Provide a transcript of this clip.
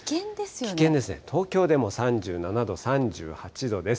危険ですね、東京でも３７度、３８度です。